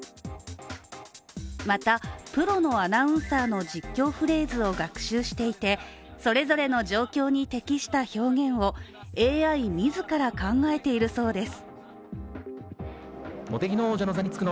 またプロのアナウンサーの実況フレーズを学習していて、それぞれの状況に適した表現をＡＩ自ら考えているそうです。